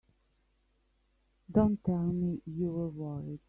Don't tell me you were worried!